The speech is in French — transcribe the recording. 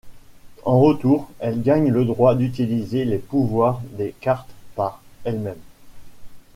En retour, elle gagne le droit d'utiliser les pouvoirs des cartes par elle-même.